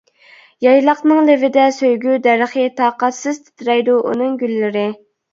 يايلاقنىڭ لېۋىدە سۆيگۈ دەرىخى، تاقەتسىز تىترەيدۇ ئۇنىڭ گۈللىرى.